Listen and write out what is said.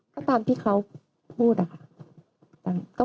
ก็ตามที่เขาพูดนะคะ